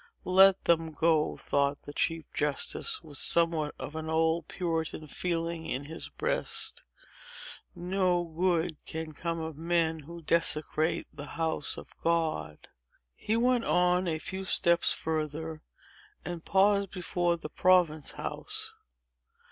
"Let them go!" thought the chief justice, with somewhat of an old puritan feeling in his breast. "No good can come of men who desecrate the house of God." He went on a few steps further, and paused before the Province House.